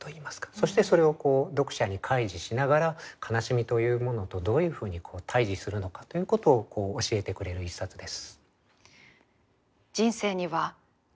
そしてそれを読者に開示しながら悲しみというものとどういうふうに対峙するのかということを教えてくれる一冊です。